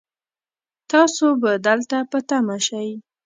تاسو به دلته په تمه شئ